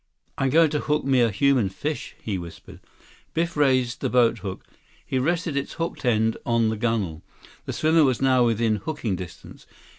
"I'm going to hook me a human fish," he whispered. Biff raised the boathook. He rested its hooked end on the gunnel. The swimmer was now within hooking distance.